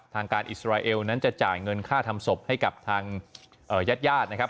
ทางการอิสราเอลนั้นจะจ่ายเงินค่าทำศพให้กับทางญาติญาตินะครับ